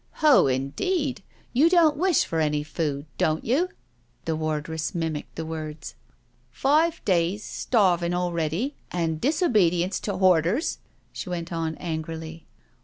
" Ho, indeed— you don't wish for any food, don't you?" The wardress mimicked the words. "Five days starving already and disobedience to borders," she went on angrily.